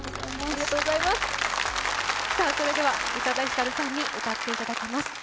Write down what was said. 宇多田ヒカルさんに歌っていただきます。